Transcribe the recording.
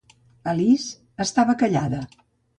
Alice estava callada.